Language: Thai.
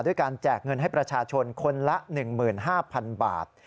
การแจกเงินให้ประชาชนคนละ๑๕๐๐๐บาท